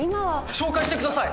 紹介してください！